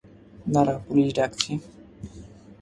দাঁড়া, পুলিশ ডাকছি।